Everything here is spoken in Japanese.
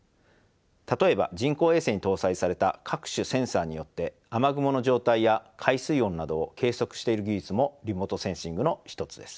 例えば人工衛星に搭載された各種センサによって雨雲の状態や海水温などを計測している技術もリモートセンシングの一つです。